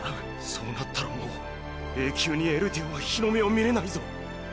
そうなったらもう永久にエルディアは日の目を見れないぞ！！